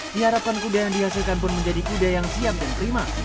diharapkan kuda yang dihasilkan pun menjadi kuda yang siap dan prima